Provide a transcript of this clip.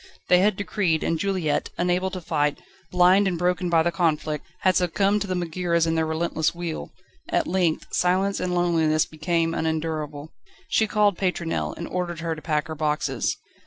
They had decreed; and Juliette, unable to fight, blind and broken by the conflict, had succumbed to the Megaeras and their relentless wheel. At length silence and loneliness became unendurable. She called Pétronelle, and ordered her to pack her boxes.